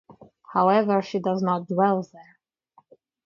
However, she does not dwell there.